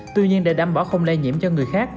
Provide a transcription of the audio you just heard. tuy nhiên để đảm bảo không lây nhiễm cho người khác